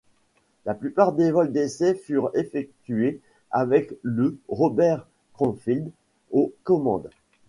La plupart des vols d'essai furent effectués avec le ' Robert Kronfeld aux commandes.